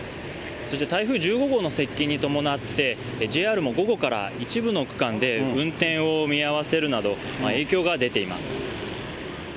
そして台風１５号の接近に伴って、ＪＲも午後から一部の区間で運転を見合わせるなど、影響が出ています。